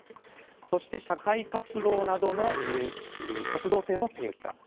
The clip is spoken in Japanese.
そして社会活動などの活動性の低下。